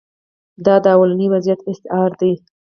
دا د لومړني وضعیت استعاره ده.